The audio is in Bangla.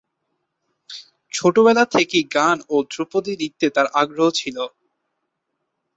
ছোটবেলা থেকেই গান ও ধ্রুপদী নৃত্যে তার আগ্রহ ছিল।